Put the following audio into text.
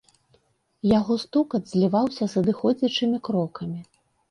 Яго стукат зліваўся з адыходзячымі крокамі.